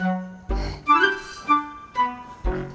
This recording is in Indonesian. internet timnya gampang